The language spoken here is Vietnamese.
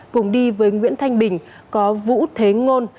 cùng đi với nguyễn thanh bình có vũ thế ngôn